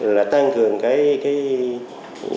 là tăng cường cái